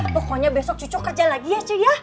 pokoknya besok cucu kerja lagi ya cik ya